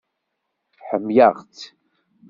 Ḥemmleɣ-tt!